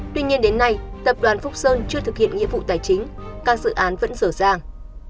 tuy nhiên đến nay tập đoàn phúc sơn chưa thực hiện nhiệm vụ tài chính các dự án vẫn rở ràng